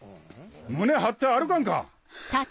胸張って歩かんか！